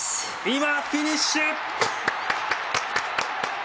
今フィニッシュ！